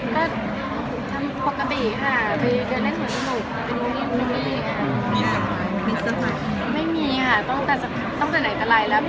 ผมเกิดเดินแรงสวยสนุกไม่มีความสนุก